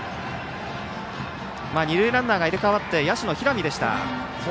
二塁ランナーが入れ替わって野手の平見でした。